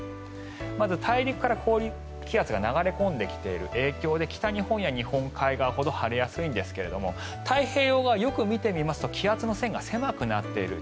まず大陸から高気圧が流れ込んできている影響で北日本や日本海側ほど晴れやすいんですが太平洋側、よく見てみますと気圧の線が狭くなっている。